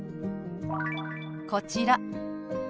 こちら。